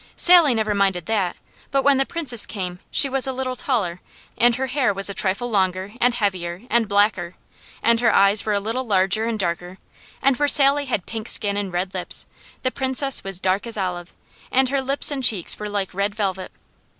Sally never minded that, but when the Princess came she was a little taller, and her hair was a trifle longer, and heavier, and blacker, and her eyes were a little larger and darker, and where Sally had pink skin and red lips, the Princess was dark as olive, and her lips and cheeks were like red velvet.